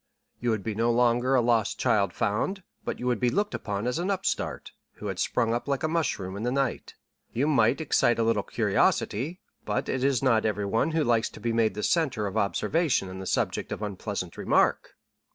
You would be no longer a lost child found, but you would be looked upon as an upstart, who had sprung up like a mushroom in the night. You might excite a little curiosity, but it is not everyone who likes to be made the centre of observation and the subject of unpleasant remark."